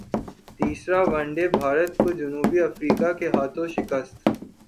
تیسرا one day Bharat کو جنوبی افریقا کے ہاتھوں شکست